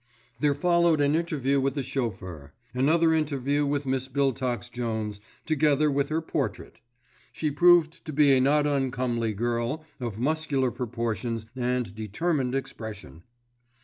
There followed an interview with the chauffeur; another interview with Miss Biltox Jones, together with her portrait. She proved to be a not uncomely girl of muscular proportions and determined expression.